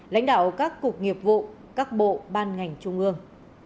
lãnh đạo các cục nghiệp vụ các bộ ban ngành trung ương